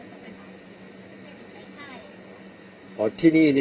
ในงานที่เป็นส่วนราชการหรือหลายงานของรัฐเที่ยวจะประสานอยู่ที่นี่ใกล้ใกล้